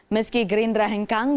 meski gerindra hengkang dan